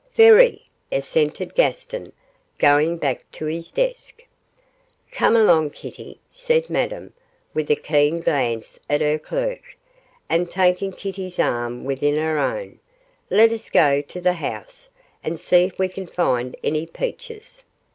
'Very!' assented Gaston, going back to his desk. 'Come along, Kitty,' said Madame, with a keen glance at her clerk, and taking Kitty's arm within her own, 'let us go to the house, and see if we can find any peaches.